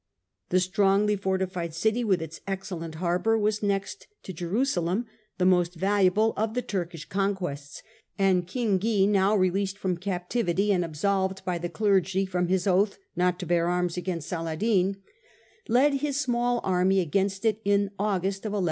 iisyto The strongly fortified city, with its excellent harbour, was, next to Jerusalem, the most valuable of the Turkish THE THIRD AND FOURTH CRUSADES 207 conquests, and King Guy, now released from captivity and absolved by the clergy from his oath not to bear arms against Saladin, led his small army against it in the August of 1189.